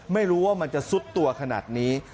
ไม่รู้ว่ามันจะซุดตัวขนาดนี้